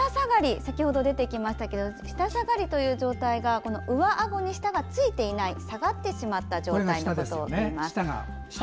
舌下がりという状態が上あごに舌がついていない下がってしまった状態のことをいいます。